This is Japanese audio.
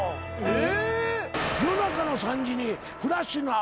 え！